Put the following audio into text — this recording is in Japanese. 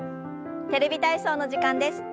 「テレビ体操」の時間です。